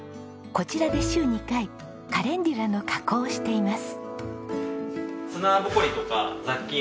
こちらで週２回カレンデュラの加工をしています。